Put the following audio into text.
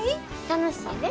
楽しいで。